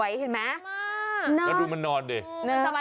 เชื่อขึ้นเร็ว